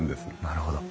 なるほど。